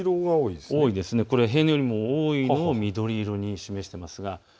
これは平年よりも多いものを緑色で示しています。